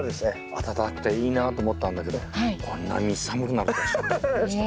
暖かくていいなと思ったんだけどこんなに寒くなるとは知りませんでした。